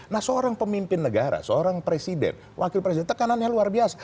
nah seorang pemimpin negara seorang presiden wakil presiden tekanannya luar biasa